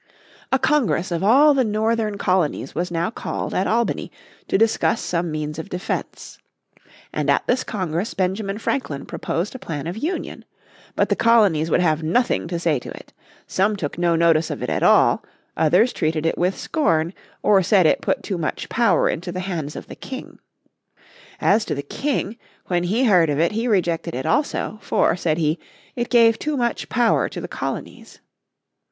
A Congress of all the Northern Colonies was now called at Albany to discuss some means of defense. And at this Congress Benjamin Franklin proposed a plan of union. But the colonies would have nothing to say to it. Some took no notice of it at all, others treated it with scorn, or said it put too much power into the hands of the King. As to the King, when he heard of it he rejected it also, for, said he, it gave too much power to the colonies.